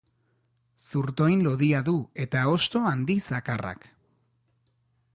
Zurtoin lodia du eta hosto handi zakarrak.